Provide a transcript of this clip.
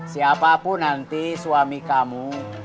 siapapun nanti suami kamu